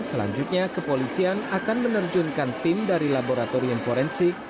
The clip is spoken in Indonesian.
selanjutnya kepolisian akan menerjunkan tim dari laboratorium forensik